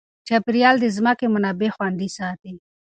چاپیریال د ځمکې منابع خوندي ساتي.